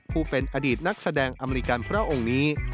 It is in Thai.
ผู้เป็นอดีตนักแสดงอเมริกันพระองค์นี้